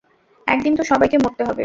একদিন তো সবাইকে মরতে হবে।